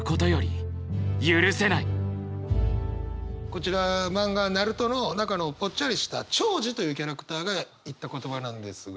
こちら漫画「ＮＡＲＵＴＯ」の中のぽっちゃりしたチョウジというキャラクターが言った言葉なんですが。